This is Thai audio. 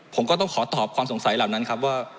ผมก็ต้องขอตอบความสงสัยเหล่านั้นครับว่า